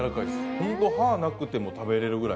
ほんと歯なくても食べられるぐらい。